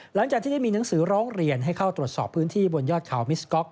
หลังจากที่ได้มีหนังสือร้องเรียนให้เข้าตรวจสอบพื้นที่บนยอดเขามิสก๊อก